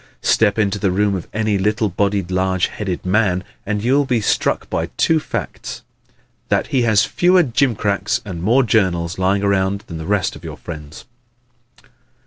Step into the room of any little bodied large headed man and you will be struck by two facts that he has fewer jimcracks and more journals lying around than the rest of your friends.